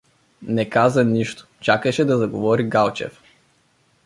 Не каза нищо, чакаше да заговори Галчев.